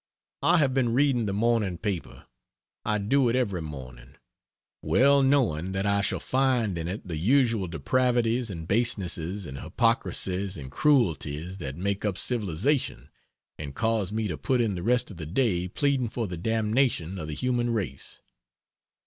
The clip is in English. I have been reading the morning paper. I do it every morning well knowing that I shall find in it the usual depravities and basenesses and hypocrisies and cruelties that make up civilization, and cause me to put in the rest of the day pleading for the damnation of the human race.